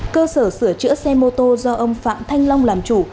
cơ sở sửa chữa xe mô tô do ông phạm thanh long làm chủ